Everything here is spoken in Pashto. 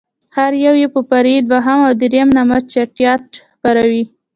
هر يو يې په فرعي دوهم او درېم نامه چټياټ خپروي.